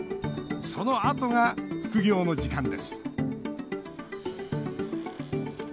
そのあとが副業の時間です。